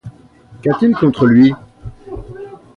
Qu'a-t-il contre lui?